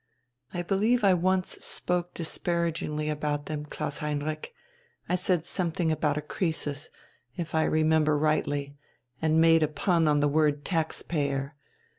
I believe I once spoke disparagingly about them, Klaus Heinrich; I said something about a Croesus, if I remember rightly, and made a pun on the word 'taxpayer.'